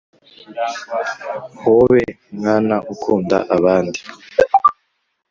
Hobe mwana ukunda abandi